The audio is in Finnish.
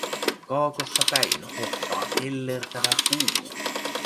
Kaakossa päin hohtaa kellertävä kuu.